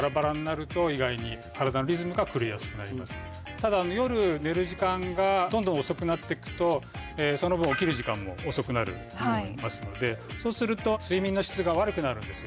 ただ夜寝る時間がどんどん遅くなってくとその分起きる時間も遅くなると思いますのでそうすると睡眠の質が悪くなるんですよ。